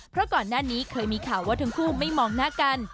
เพราะก่อนหน้านี้เคยมีข่าวว่าทั้งคู่ไม่มองหน้ากัน